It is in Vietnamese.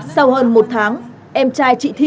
sau hơn một tháng em trai chị thi không có nạn nhân